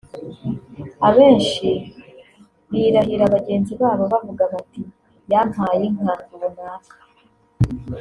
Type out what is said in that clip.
Abenshi birahira bagenzi babo bavuga bati ‘yamapaye inka’ [runaka]